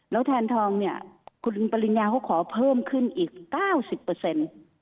แล้วแทนทองเนี่ยคุณปริญญาเขาขอเพิ่มขึ้นอีกเก้าสิบเปอร์เซ็นต์